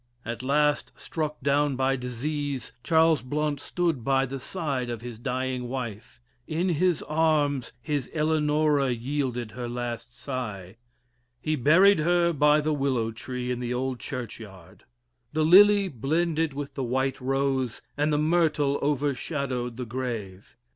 At last, struck down by disease, Charles Blount stood by the side of his dying wife in his arms his Eleanora yielded her last sigh. He buried her by the willow tree in the old churchyard. The lily blended with the white rose, and the myrtle overshadowed the grave.